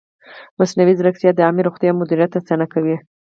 مصنوعي ځیرکتیا د عامې روغتیا مدیریت اسانه کوي.